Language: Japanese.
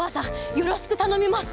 よろしくたのみます！